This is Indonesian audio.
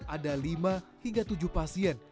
ada lima hingga tujuh pasien